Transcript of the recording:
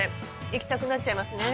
いきたくなっちゃいますね。